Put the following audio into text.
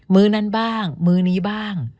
ื้อนั้นบ้างมื้อนี้บ้าง